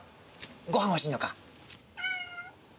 ご飯欲しいのか。